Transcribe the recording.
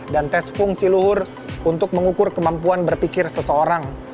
dan tes fungsi luhur untuk mengukur kemampuan berpikir seseorang